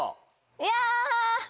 いや。